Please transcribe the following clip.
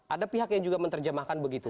ada pihak yang juga menerjemahkan begitu